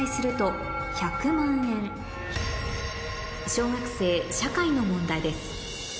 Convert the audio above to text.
小学生社会の問題です